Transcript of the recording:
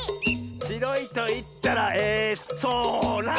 「しろいといったらえそら！」